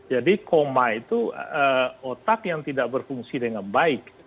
jadi koma itu otak yang tidak berfungsi dengan baik